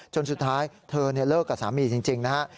จนสุดท้ายเธอเลิกกับสามีจริงนะฮะ